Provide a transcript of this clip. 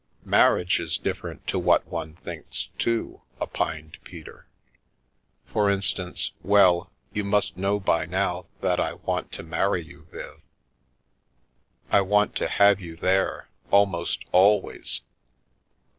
"" Marriage is different to what one thinks, too/' opined Peter. " For instance — well, you must know by now that I want to marry you, Viv. I want to have you there, almost always.